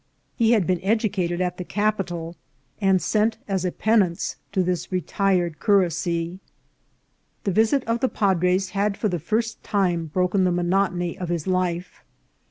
He had been educated at the capital, and sent as a penance to this retired cu racy. The visit of the padres had for the first time broken the monotony of his life.